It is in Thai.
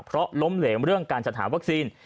เพราะล้มเหลวเรื่องการจัดหาวัคซีน